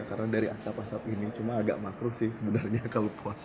karena dari asap asap ini cuma agak makruh sih sebenarnya kalau puasa